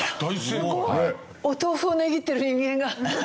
お豆腐を値切ってる人間が。